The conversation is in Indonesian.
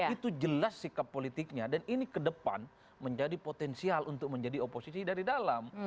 itu jelas sikap politiknya dan ini ke depan menjadi potensial untuk menjadi oposisi dari dalam